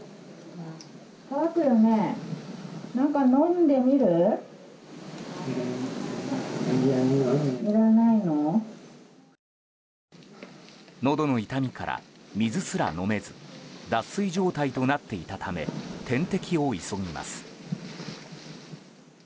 のどの痛みから水すら飲めず脱水状態となっていたため点滴を急ぎます。